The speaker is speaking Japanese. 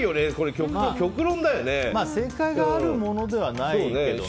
正解があるものではないけどね。